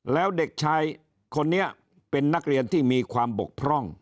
แล้วเด็กชายคนนี้เป็นนักเรียนที่มีความบกพร่อง